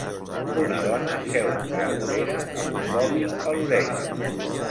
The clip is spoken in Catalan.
Una dona seu a la vorera amb un mòbil a l'orella.